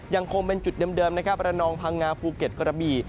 ยังคงเป็นจุดเดิมนะครับระนองพังงาภูเก็ตกระบี่